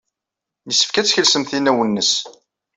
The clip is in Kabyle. Yessefk ad tkelsemt inaw-nnes.